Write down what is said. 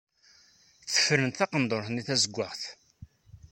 Tefren taqendurt-nni tazewwaɣt.